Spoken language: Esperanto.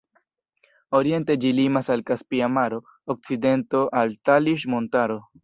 Oriente ĝi limas al Kaspia maro, okcidento al Taliŝ-Montaro.